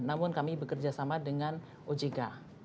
namun kami bekerja sama dengan ojk